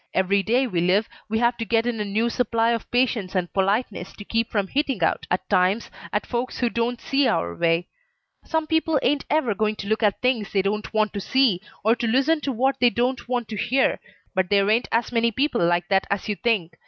Every day we live we have to get in a new supply of patience and politeness to keep from hitting out, at times, at folks who don't see our way. Some people ain't ever going to look at things they don't want to see, or to listen to what they don't want to hear, but there ain't as many people like that as you think.